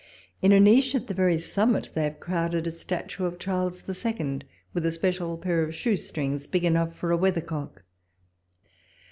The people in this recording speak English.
In a niche at the very summit they have crowded a statue of Charles the Second, with a special pair of shoe strings, big enougli for a weather cock.